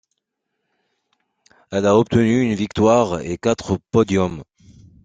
Elle a obtenu une victoire et quatre podiums.